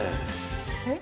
えっ？